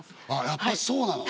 やっぱりそうなの？